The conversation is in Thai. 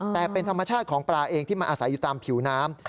แต่เป็นธรรมชาติของปลาเองที่มันอาศัยอยู่ตามผิวน้ำ